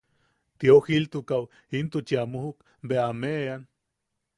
Tio Giltukaʼu intuchi a mujuk bea a meʼean.